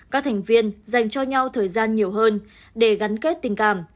các thành viên dành cho nhau thời gian nhiều hơn để gắn kết tình cảm